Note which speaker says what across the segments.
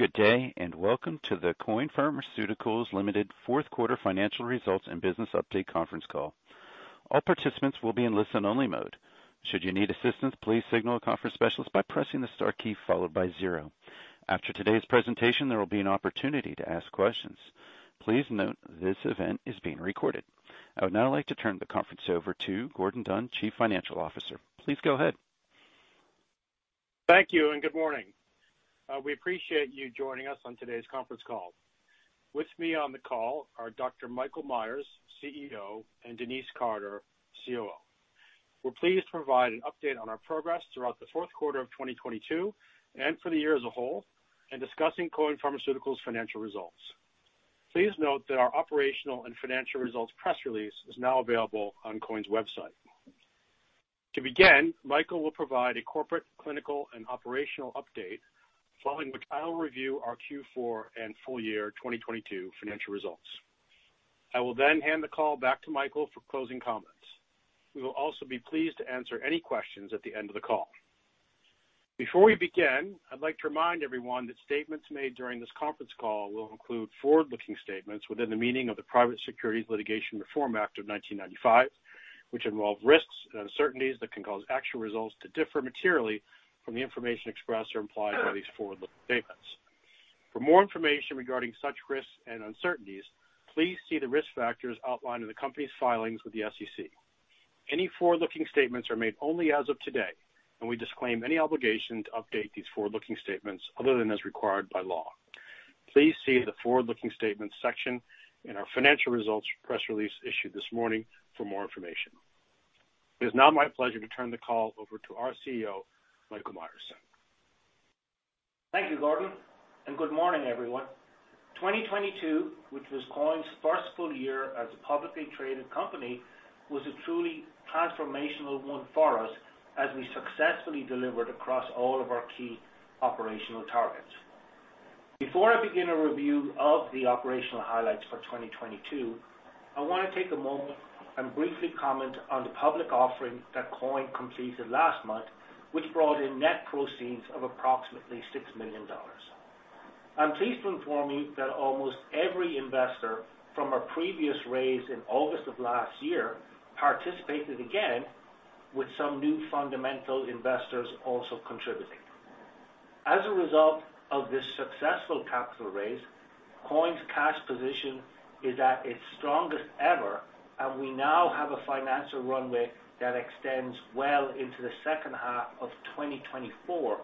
Speaker 1: Good day, and welcome to the Quoin Pharmaceuticals, Ltd. fourth quarter financial results and business update conference call. All participants will be in listen-only mode. Should you need assistance, please signal a conference specialist by pressing the star key followed by zero. After today's presentation, there will be an opportunity to ask questions. Please note this event is being recorded. I would now like to turn the conference over to Gordon Dunn, Chief Financial Officer. Please go ahead.
Speaker 2: Thank you. Good morning. We appreciate you joining us on today's conference call. With me on the call are Dr. Michael Myers, CEO, and Denise Carter, COO. We're pleased to provide an update on our progress throughout the fourth quarter of 2022 and for the year as a whole in discussing Quoin Pharmaceuticals financial results. Please note that our operational and financial results press release is now available on Quoin's website. To begin, Michael will provide a corporate, clinical, and operational update, following which I will review our Q4 and full year 2022 financial results. I will then hand the call back to Michael for closing comments. We will also be pleased to answer any questions at the end of the call. Before we begin, I'd like to remind everyone that statements made during this conference call will include forward-looking statements within the meaning of the Private Securities Litigation Reform Act of 1995, which involve risks and uncertainties that can cause actual results to differ materially from the information expressed or implied by these forward-looking statements. For more information regarding such risks and uncertainties, please see the risk factors outlined in the company's filings with the SEC. Any forward-looking statements are made only as of today, and we disclaim any obligation to update these forward-looking statements other than as required by law. Please see the forward-looking statements section in our financial results press release issued this morning for more information. It is now my pleasure to turn the call over to our CEO, Michael Myers.
Speaker 3: Thank you, Gordon. Good morning, everyone. 2022, which was Quoin's first full year as a publicly traded company, was a truly transformational one for us as we successfully delivered across all of our key operational targets. Before I begin a review of the operational highlights for 2022, I wanna take a moment and briefly comment on the public offering that Quoin completed last month, which brought in net proceeds of approximately $6 million. I'm pleased to inform you that almost every investor from our previous raise in August of last year participated again with some new fundamental investors also contributing. As a result of this successful capital raise, Quoin's cash position is at its strongest ever, and we now have a financial runway that extends well into the second half of 2024,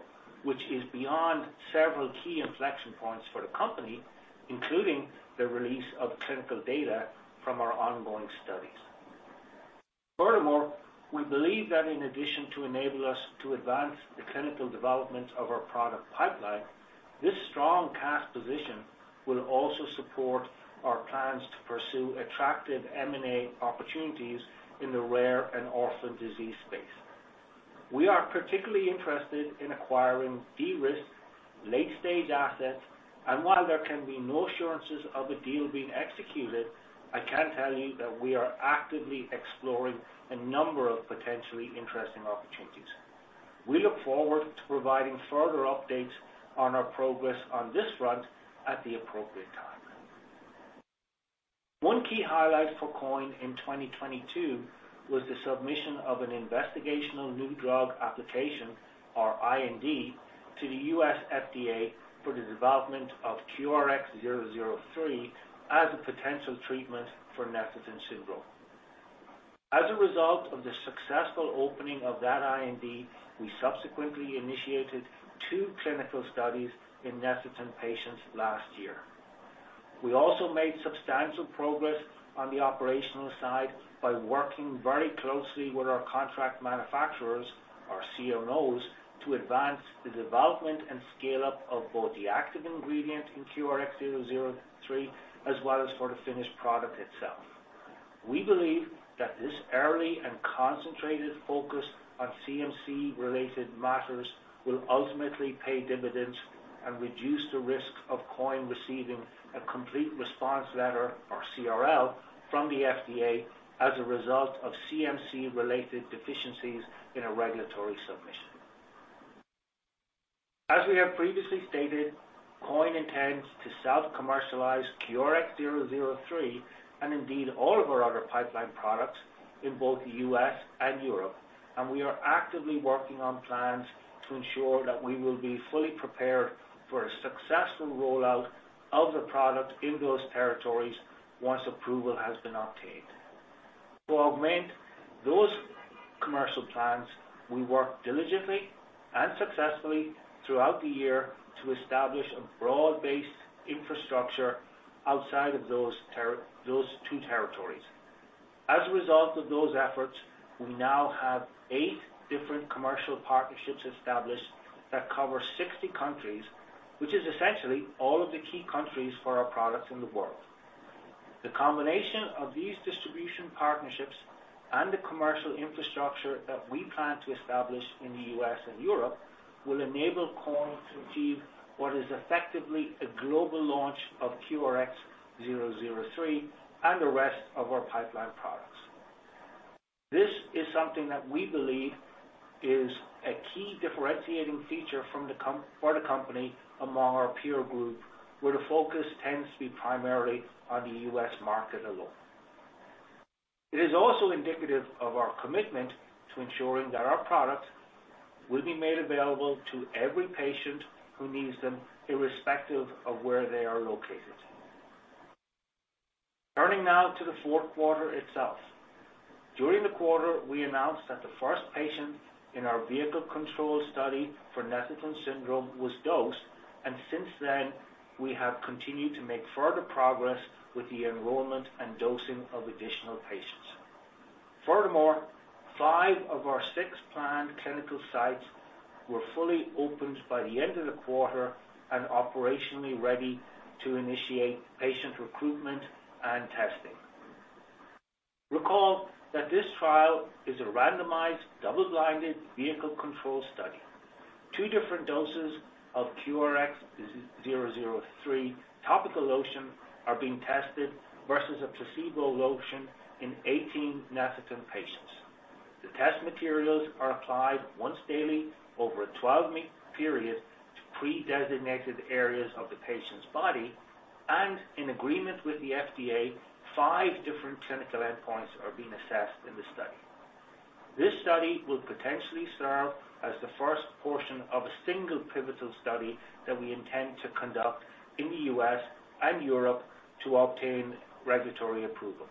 Speaker 3: which is beyond several key inflection points for the company, including the release of clinical data from our ongoing studies. Furthermore, we believe that in addition to enable us to advance the clinical development of our product pipeline, this strong cash position will also support our plans to pursue attractive M&A opportunities in the rare and orphan disease space. We are particularly interested in acquiring de-risked late-stage assets, and while there can be no assurances of a deal being executed, I can tell you that we are actively exploring a number of potentially interesting opportunities. We look forward to providing further updates on our progress on this front at the appropriate time. One key highlight for Quoin in 2022 was the submission of an investigational new drug application, or IND, to the US FDA for the development of QRX003 as a potential treatment for Netherton Syndrome. A result of the successful opening of that IND, we subsequently initiated two clinical studies in Netherton patients last year. We also made substantial progress on the operational side by working very closely with our contract manufacturers, our CMOs, to advance the development and scale-up of both the active ingredient in QRX003 as well as for the finished product itself. We believe that this early and concentrated focus on CMC-related matters will ultimately pay dividends and reduce the risk of Quoin receiving a complete response letter, or CRL, from the FDA as a result of CMC-related deficiencies in a regulatory submission. As we have previously stated, Quoin intends to self-commercialize QRX003 and indeed all of our other pipeline products in both the U.S. and Europe. We are actively working on plans to ensure that we will be fully prepared for a successful rollout of the product in those territories once approval has been obtained. To augment those commercial plans, we worked diligently and successfully throughout the year to establish a broad-based infrastructure outside of those two territories. As a result of those efforts, we now have eight different commercial partnerships established that cover 60 countries, which is essentially all of the key countries for our products in the world. The combination of these distribution partnerships and the commercial infrastructure that we plan to establish in the U.S. and Europe will enable Quoin to achieve what is effectively a global launch of QRX003 and the rest of our pipeline products. This is something that we believe is a key differentiating feature for the company among our peer group, where the focus tends to be primarily on the U.S. market alone. It is also indicative of our commitment to ensuring that our products will be made available to every patient who needs them, irrespective of where they are located. Turning now to the fourth quarter itself. During the quarter, we announced that the first patient in our vehicle control study for Netherton Syndrome was dosed, and since then, we have continued to make further progress with the enrollment and dosing of additional patients. Furthermore, five of our six planned clinical sites were fully opened by the end of the quarter and operationally ready to initiate patient recruitment and testing. Recall that this trial is a randomized, double-blinded vehicle control study. Two different doses of QRX003 topical lotion are being tested versus a placebo lotion in 18 Netherton patients. The test materials are applied once daily over a 12-week period to predesignated areas of the patient's body, and in agreement with the FDA, five different clinical endpoints are being assessed in the study. This study will potentially serve as the first portion of a single pivotal study that we intend to conduct in the U.S. and Europe to obtain regulatory approval.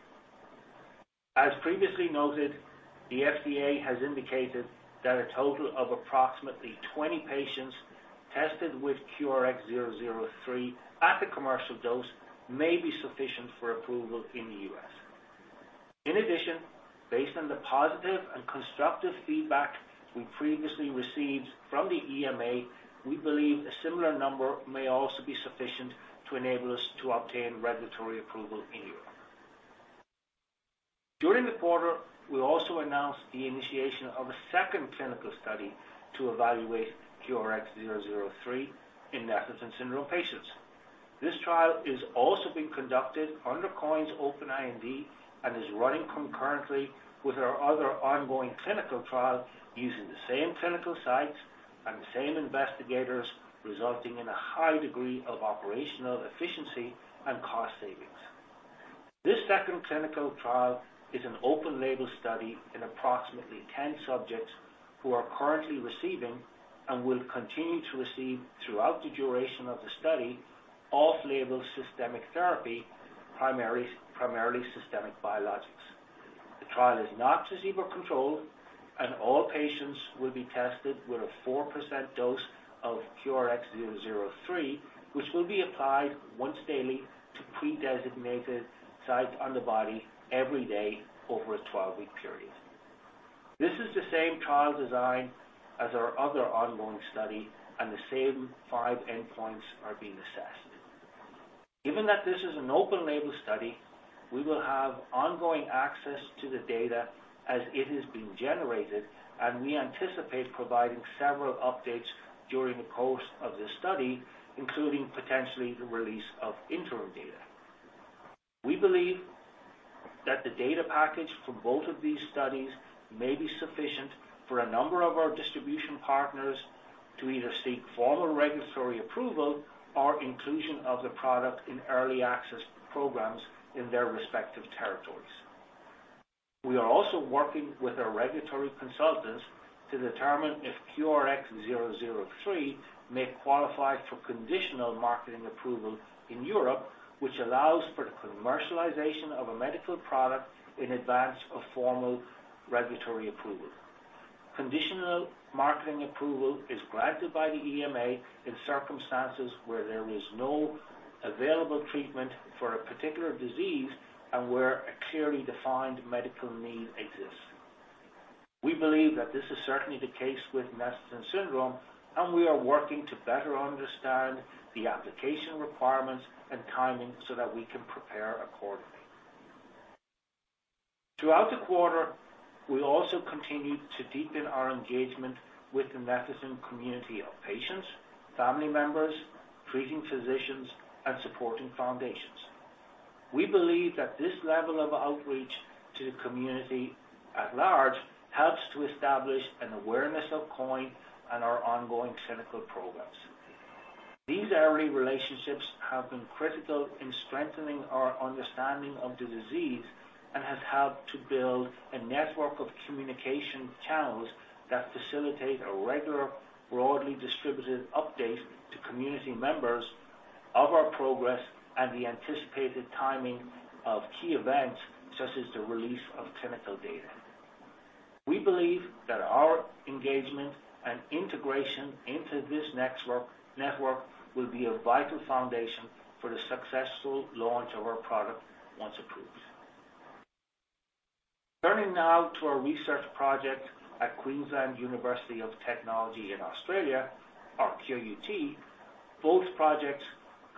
Speaker 3: As previously noted, the FDA has indicated that a total of approximately 20 patients tested with QRX003 at the commercial dose may be sufficient for approval in the U.S. In addition, based on the positive and constructive feedback we previously received from the EMA, we believe a similar number may also be sufficient to enable us to obtain regulatory approval in Europe. During the quarter, we also announced the initiation of a second clinical study to evaluate QRX003 in Netherton Syndrome patients. This trial is also being conducted under Quoin's Open IND and is running concurrently with our other ongoing clinical trial using the same clinical sites and the same investigators, resulting in a high degree of operational efficiency and cost savings. This second clinical trial is an open-label study in approximately 10 subjects who are currently receiving and will continue to receive throughout the duration of the study off-label systemic therapy, primarily systemic biologics. The trial is not placebo-controlled. All patients will be tested with a 4% dose of QRX003, which will be applied once daily to predesignated sites on the body every day over a 12-week period. This is the same trial design as our other ongoing study. The same five endpoints are being assessed. Given that this is an open-label study, we will have ongoing access to the data as it is being generated. We anticipate providing several updates during the course of this study, including potentially the release of interim data. We believe that the data package for both of these studies may be sufficient for a number of our distribution partners to either seek formal regulatory approval or inclusion of the product in early access programs in their respective territories. We are also working with our regulatory consultants to determine if QRX003 may qualify for conditional marketing authorisation in Europe, which allows for the commercialization of a medical product in advance of formal regulatory approval. Conditional marketing authorisation is granted by the EMA in circumstances where there is no available treatment for a particular disease and where a clearly defined medical need exists. We believe that this is certainly the case with Netherton Syndrome, and we are working to better understand the application requirements and timing so that we can prepare accordingly. Throughout the quarter, we also continued to deepen our engagement with the Netherton community of patients, family members, treating physicians, and supporting foundations. We believe that this level of outreach to the community at large helps to establish an awareness of Quoin and our ongoing clinical programs. These early relationships have been critical in strengthening our understanding of the disease and have helped to build a network of communication channels that facilitate a regular, broadly distributed update to community members of our progress and the anticipated timing of key events, such as the release of clinical data. We believe that our engagement and integration into this network will be a vital foundation for the successful launch of our product once approved. Turning now to our research project at Queensland University of Technology in Australia, or QUT. Both projects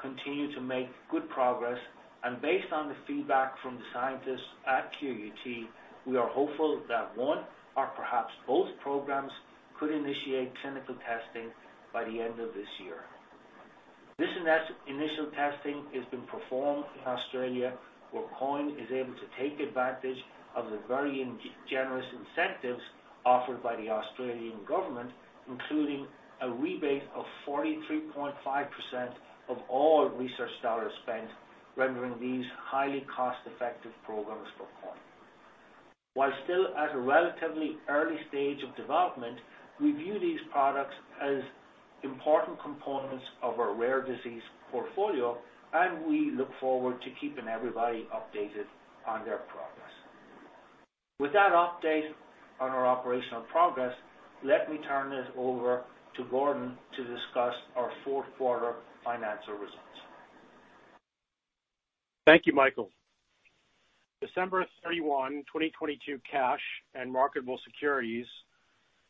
Speaker 3: continue to make good progress, and based on the feedback from the scientists at QUT, we are hopeful that one or perhaps both programs could initiate clinical testing by the end of this year. This initial testing has been performed in Australia, where Quoin is able to take advantage of the very generous incentives offered by the Australian government, including a rebate of 43.5% of all research dollars spent rendering these highly cost-effective programs for Quoin. While still at a relatively early stage of development, we view these products as important components of our rare disease portfolio, and we look forward to keeping everybody updated on their progress. With that update on our operational progress, let me turn this over to Gordon to discuss our fourth quarter financial results.
Speaker 2: Thank you, Michael. December 31, 2022 cash and marketable securities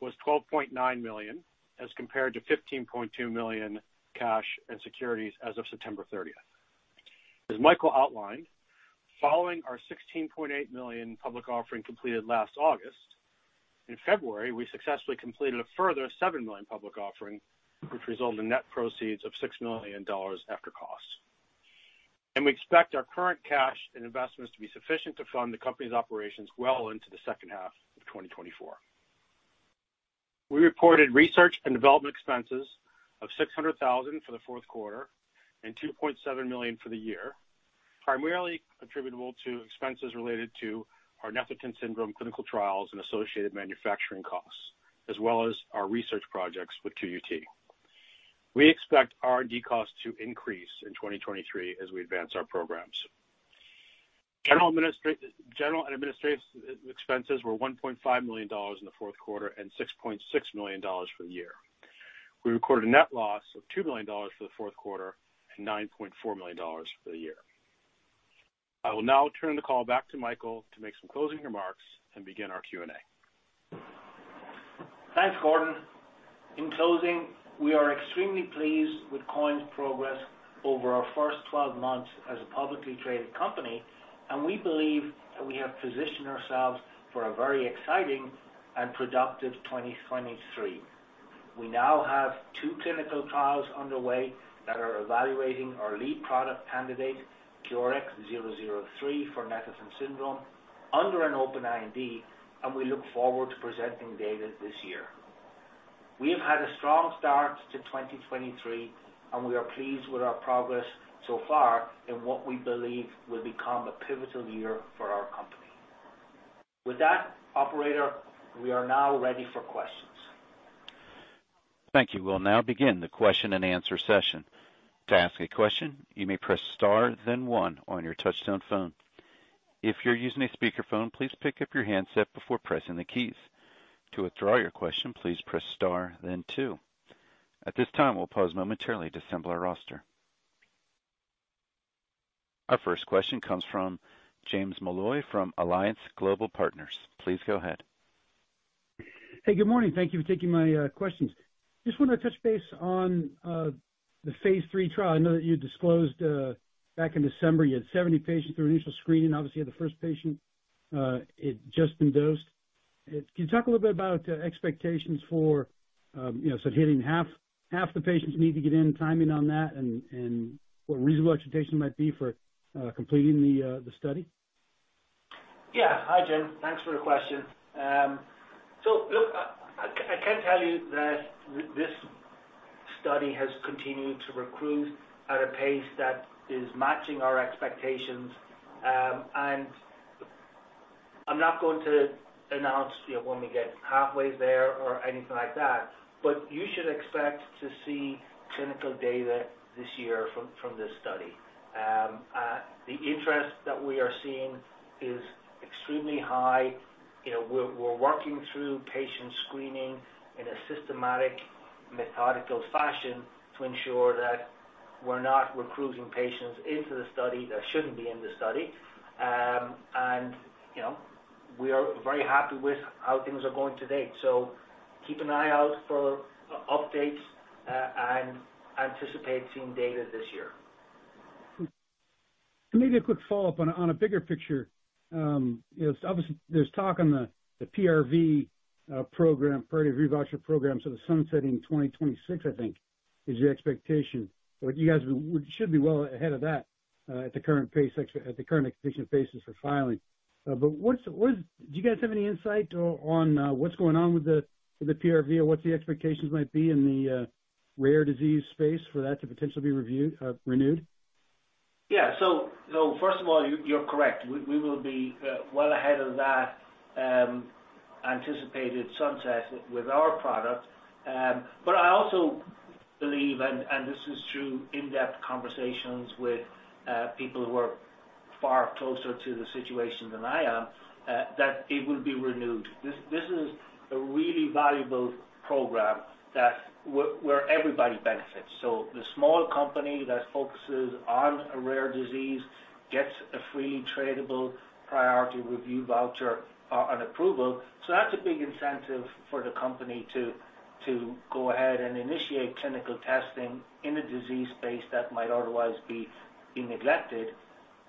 Speaker 2: was $12.9 million, as compared to $15.2 million cash and securities as of September 30. As Michael outlined, following our $16.8 million public offering completed last August, in February, we successfully completed a further $7 million public offering, which resulted in net proceeds of $6 million after costs. We expect our current cash and investments to be sufficient to fund the company's operations well into the second half of 2024. We reported research and development expenses of $600,000 for the fourth quarter and $2.7 million for the year, primarily attributable to expenses related to our Netherton Syndrome clinical trials and associated manufacturing costs, as well as our research projects with QUT. We expect R&D costs to increase in 2023 as we advance our programs. General and administrative expenses were $1.5 million in the fourth quarter and $6.6 million for the year. We recorded a net loss of $2 million for the fourth quarter and $9.4 million for the year. I will now turn the call back to Michael to make some closing remarks and begin our Q&A.
Speaker 3: Thanks, Gordon. In closing, we are extremely pleased with Quoin's progress over our first 12 months as a publicly traded company, we believe that we have positioned ourselves for a very exciting and productive 2023. We now have two clinical trials underway that are evaluating our lead product candidate, QRX003 for Netherton Syndrome under an open IND, we look forward to presenting data this year. We have had a strong start to 2023, we are pleased with our progress so far in what we believe will become a pivotal year for our company. With that, operator, we are now ready for questions.
Speaker 1: Thank you. We'll now begin the question-and-answer session. To ask a question, you may press star then one on your touchtone phone. If you're using a speakerphone, please pick up your handset before pressing the keys. To withdraw your question, please press star then two. At this time, we'll pause momentarily to assemble our roster. Our first question comes from James Molloy from Alliance Global Partners. Please go ahead.
Speaker 4: Hey, good morning. Thank you for taking my questions. Just wanna touch base on the phase III trial. I know that you disclosed back in December, you had 70 patients through initial screening. Obviously, you had the first patient just been dosed. Can you talk a little bit about expectations for, you know, sort of hitting half the patients you need to get in, timing on that and what reasonable expectation might be for completing the study?
Speaker 3: Hi, Jim. Thanks for the question. Look, I can tell you that this study has continued to recruit at a pace that is matching our expectations. I'm not going to announce, you know, when we get halfway there or anything like that, but you should expect to see clinical data this year from this study. The interest that we are seeing is extremely high. You know, we're working through patient screening in a systematic, methodical fashion to ensure that we're not recruiting patients into the study that shouldn't be in the study. You know, we are very happy with how things are going to date. Keep an eye out for updates and anticipate seeing data this year.
Speaker 4: Maybe a quick follow-up on a, on a bigger picture. You know, obviously there's talk on the PRV program, Priority Review Voucher program. The sunsetting 2026, I think, is your expectation. You guys should be well ahead of that at the current pace, actually, at the current expectation paces for filing. What is... Do you guys have any insight on what's going on with the, with the PRV or what the expectations might be in the rare disease space for that to potentially be reviewed, renewed?
Speaker 3: First of all, you're correct. We will be well ahead of that anticipated sunset with our product. I also believe, and this is through in-depth conversations with people who are far closer to the situation than I am, that it will be renewed. This is a really valuable program that, where everybody benefits. The small company that focuses on a rare disease gets a freely tradable Priority Review Voucher on approval. That's a big incentive for the company to go ahead and initiate clinical testing in a disease space that might otherwise be neglected.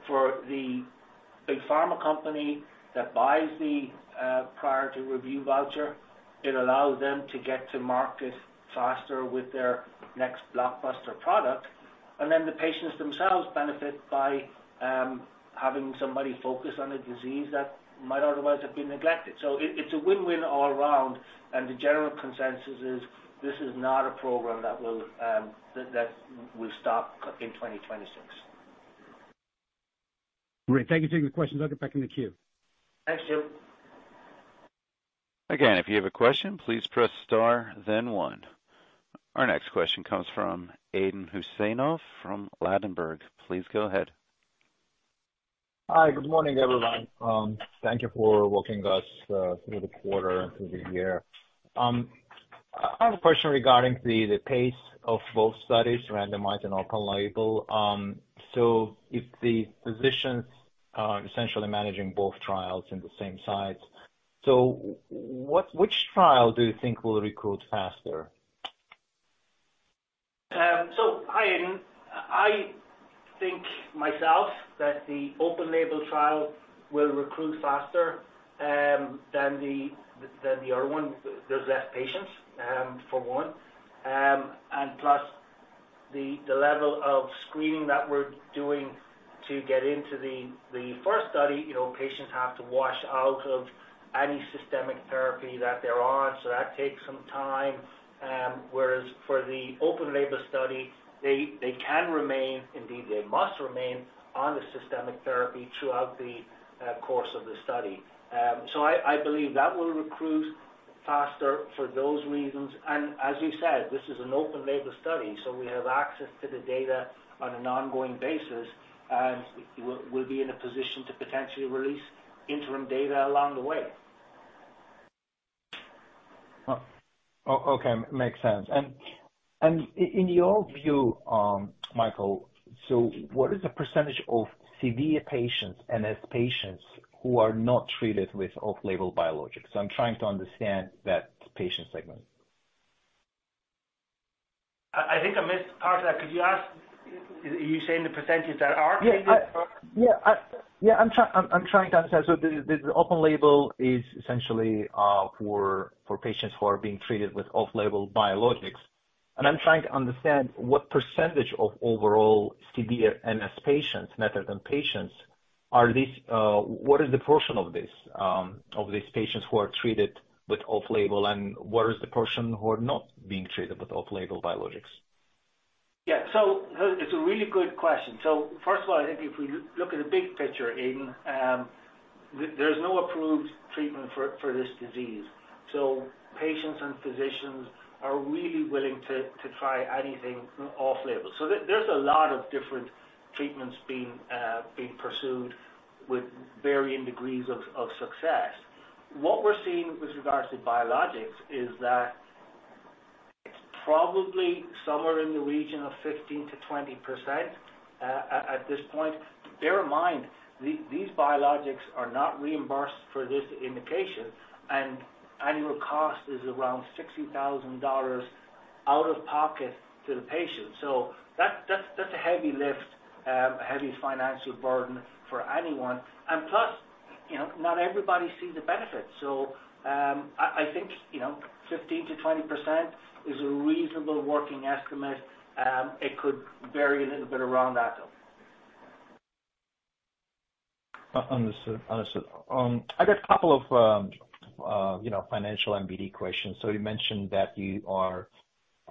Speaker 3: For the big pharma company that buys the Priority Review Voucher, it allows them to get to market faster with their next blockbuster product. The patients themselves benefit by having somebody focus on a disease that might otherwise have been neglected. It, it's a win-win all round, and the general consensus is this is not a program that will stop in 2026.
Speaker 4: Great. Thank you for taking the question. I'll get back in the queue.
Speaker 3: Thanks, Jim.
Speaker 1: If you have a question, please press star then one. Our next question comes from Aydin Huseynov from Ladenburg. Please go ahead.
Speaker 5: Hi. Good morning, everyone. Thank you for walking us through the quarter and through the year. I have a question regarding the pace of both studies, randomized and open label. If the physicians are essentially managing both trials in the same site, which trial do you think will recruit faster?
Speaker 3: Hi, Aydin. I think myself that the open label trial will recruit faster than the other one. There's less patients for one. Plus the level of screening that we're doing to get into the first study, you know, patients have to wash out of any systemic therapy that they're on, so that takes some time. Whereas for the open label study, they can remain, indeed they must remain on the systemic therapy throughout the course of the study. I believe that will recruit faster for those reasons. As you said, this is an open label study, so we have access to the data on an ongoing basis, and we'll be in a position to potentially release interim data along the way.
Speaker 5: Oh. Okay. Makes sense. In your view, Michael, so what is the percentage of severe patients, NS patients who are not treated with off-label biologics? I'm trying to understand that patient segment.
Speaker 3: I think I missed part of that. Could you ask... Are you saying the percentage that are treated or-
Speaker 5: I'm trying to understand. The open label is essentially for patients who are being treated with off-label biologics, and I'm trying to understand what percentage of overall severe NS patients, Netherton Syndrome patients are these? What is the portion of this of these patients who are treated with off-label, and what is the portion who are not being treated with off-label biologics?
Speaker 3: It's a really good question. First of all, I think if we look at the big picture, Aydin, there's no approved treatment for this disease. Patients and physicians are really willing to try anything off-label. There's a lot of different treatments being pursued with varying degrees of success. What we're seeing with regards to biologics is that it's probably somewhere in the region of 15%-20% at this point. Bear in mind, these biologics are not reimbursed for this indication, and annual cost is around $60,000 out of pocket to the patient. That's a heavy lift, a heavy financial burden for anyone. Plus, you know, not everybody sees a benefit. I think, you know, 15%-20% is a reasonable working estimate. It could vary a little bit around that though.
Speaker 5: Understood. Understood. I got a couple of, you know, financial and BD questions. You mentioned that you are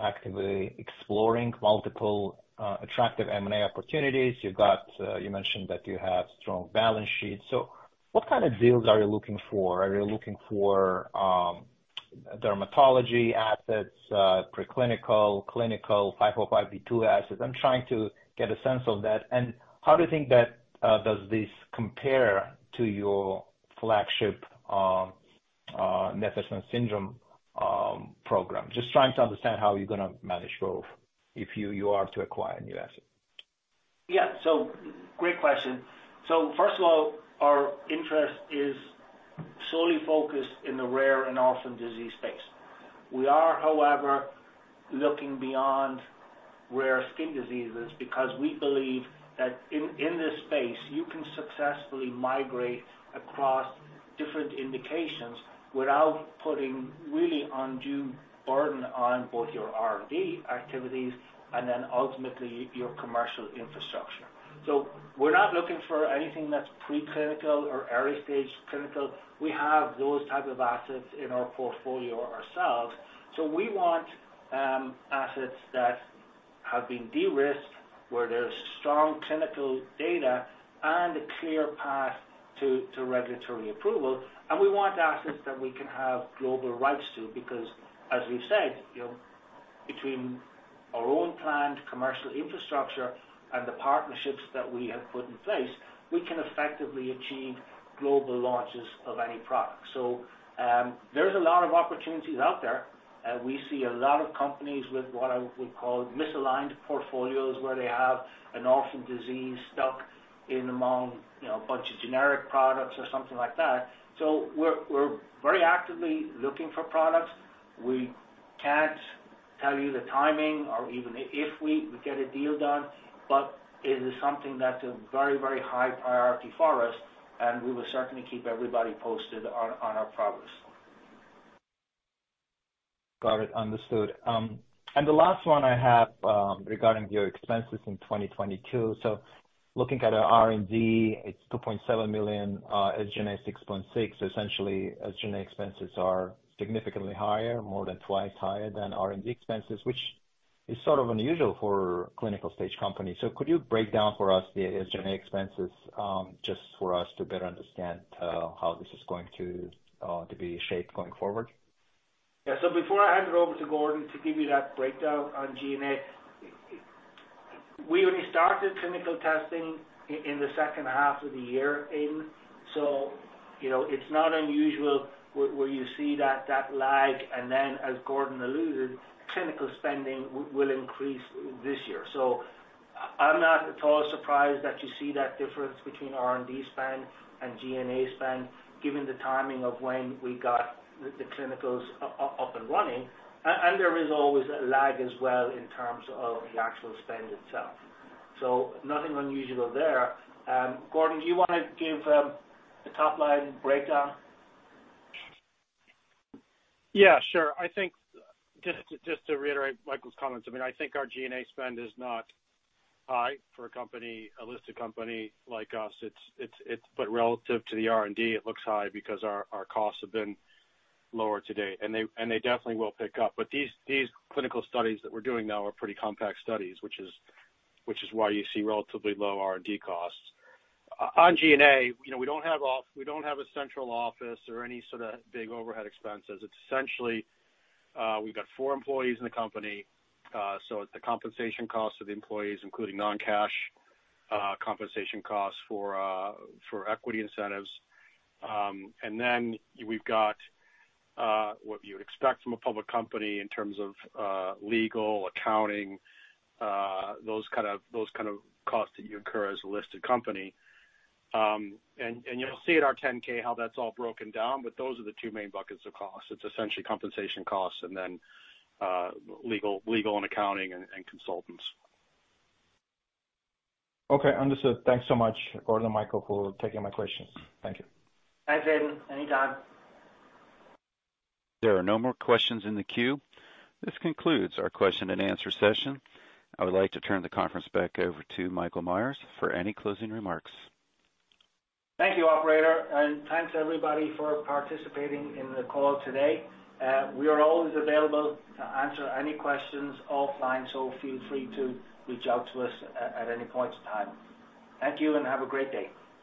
Speaker 5: actively exploring multiple attractive M&A opportunities. You've got, you mentioned that you have strong balance sheets. What kind of deals are you looking for? Are you looking for dermatology assets, pre-clinical, clinical 505(b)(2) assets? I'm trying to get a sense of that. How do you think that does this compare to your flagship Netherton syndrome program? Just trying to understand how you're gonna manage both if you are to acquire a new asset.
Speaker 3: Great question. First of all, our interest is solely focused in the rare and orphan disease space. We are, however, looking beyond rare skin diseases because we believe that in this space you can successfully migrate across different indications without putting really undue burden on both your R&D activities and then ultimately your commercial infrastructure. We're not looking for anything that's pre-clinical or early stage clinical. We have those type of assets in our portfolio ourselves. We want assets that have been de-risked, where there's strong clinical data and a clear path to regulatory approval. We want assets that we can have global rights to because as we've said, you know, between our own planned commercial infrastructure and the partnerships that we have put in place, we can effectively achieve global launches of any product. There's a lot of opportunities out there. We see a lot of companies with what I would call misaligned portfolios, where they have an orphan disease stuck in among, you know, a bunch of generic products or something like that. We're very actively looking for products. We can't tell you the timing or even if we get a deal done, but it is something that's a very, very high priority for us, and we will certainly keep everybody posted on our progress.
Speaker 5: Got it. Understood. The last one I have, regarding your expenses in 2022. Looking at our R&D, it's $2.7 million, SG&A $6.6 million. Essentially, SG&A expenses are significantly higher, more than twice higher than R&D expenses, which is sort of unusual for clinical stage companies. Could you break down for us the, SG&A expenses, just for us to better understand, how this is going to be shaped going forward?
Speaker 3: Yeah. Before I hand it over to Gordon to give you that breakdown on G&A, we only started clinical testing in the second half of the year, Aydin. You know, it's not unusual where you see that lag, and then as Gordon alluded, clinical spending will increase this year. I'm not at all surprised that you see that difference between R&D spend and G&A spend given the timing of when we got the clinicals up and running. There is always a lag as well in terms of the actual spend itself. Nothing unusual there. Gordon, do you wanna give a top-line breakdown?
Speaker 2: Yeah, sure. I think just to reiterate Michael's comments, I mean, I think our G&A spend is not high for a company, a listed company like us. It's but relative to the R&D, it looks high because our costs have been lower to date, and they definitely will pick up. These clinical studies that we're doing now are pretty compact studies, which is why you see relatively low R&D costs. On G&A, you know, we don't have a central office or any sort of big overhead expenses. It's essentially, we've got four employees in the company, so it's the compensation cost of the employees, including non-cash compensation costs for equity incentives. Then we've got what you would expect from a public company in terms of legal, accounting, those kind of costs that you incur as a listed company. You'll see at our 10-K how that's all broken down, but those are the two main buckets of costs. It's essentially compensation costs and then legal and accounting and consultants.
Speaker 5: Okay. Understood. Thanks so much, Gordon and Michael, for taking my questions. Thank you.
Speaker 3: Thanks, Aydin. Anytime.
Speaker 1: There are no more questions in the queue. This concludes our question and answer session. I would like to turn the conference back over to Michael Myers for any closing remarks.
Speaker 3: Thank you, operator, thanks everybody for participating in the call today. We are always available to answer any questions offline, feel free to reach out to us at any point in time. Thank you, have a great day.